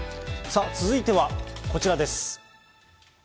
続いてはこちらです。